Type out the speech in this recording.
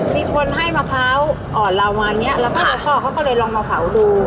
มีคนให้มะพร้าวอ่อนลาวมานี้แล้วพ่อเขาก็เลยลองมะพร้าวดู